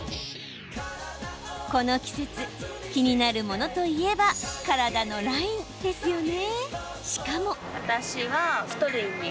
この季節、気になるものといえば体のラインですよね。